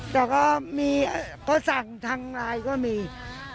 แต่ก็มีอ่าเขาสั่งทางลายก็มีอ่า